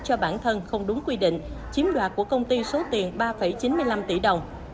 cho bản thân không đúng quy định chiếm đoạt của công ty số tiền ba chín mươi năm tỷ đồng